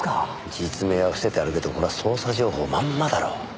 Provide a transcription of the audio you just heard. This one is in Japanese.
実名は伏せてあるけどこれは捜査情報まんまだろ。